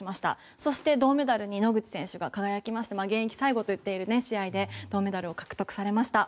そして、銅メダルに野口選手が輝きまして現役最後と言っている試合で銅メダルを獲得されました。